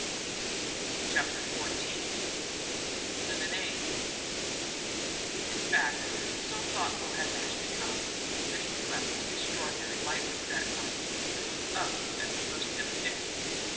CHAPTER XIV LEMONADE In fact, so thoughtful had Nash become, that he slept with extraordinary lightness that night and was up at the first hint of day.